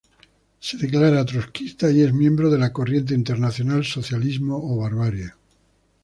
Se declara trotskista y es miembro de la Corriente Internacional Socialismo o Barbarie.